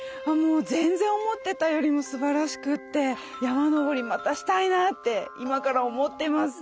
全然思ってたよりもすばらしくて山登りまたしたいなって今から思ってます。